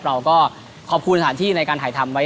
เราก็ขอบคุณสถานที่ในการถ่ายทำไว้